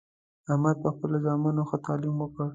احمد په خپلو زامنو ښه تعلیم وکړ